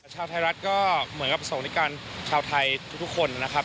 ชาวไทยรัฐก็เหมือนกับประสงค์นิกรชาวไทยทุกคนนะครับ